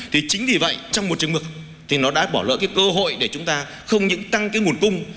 thì chính vì vậy trong một trường mực thì nó đã bỏ lỡ cái cơ hội để chúng ta không những tăng cái nguồn cung